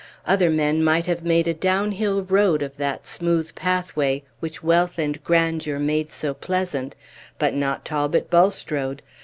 Other men might have made a downhill road of that smooth pathway which wealth and grandeur made so pleasant, but not Talbot Bulstrode.